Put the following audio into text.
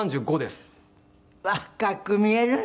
若く見えるね！